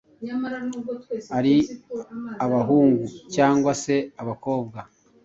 Ari abahungu cyangwa se abakobwa,